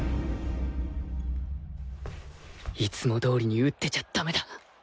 いつも通りに打ってちゃだめだ